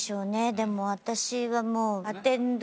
でも私はもう。